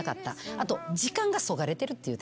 あと時間がそがれてるって言うたやん。